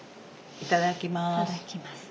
いただきます。